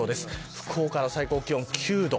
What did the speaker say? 福岡の最高気温は９度。